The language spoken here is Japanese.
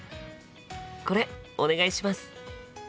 これお願いします！